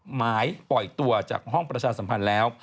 หมายปล่อยตัวจากห้องประชาสัมพันธ์แล้ว